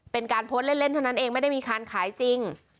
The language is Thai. เป็นการโพสต์เล่นเท่านั้นเองไม่ได้มีการขายจริง